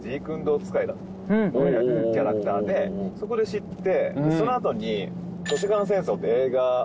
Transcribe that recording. そこで知って。